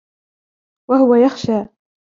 وهو يخشى